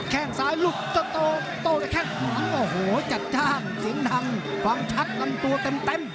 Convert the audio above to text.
แข้งซ้ายลุกโต๊ะโต๊ะโต๊ะแข้งหวังโอ้โหจัดจ้างเสียงทังความชัดกันตัวเต็ม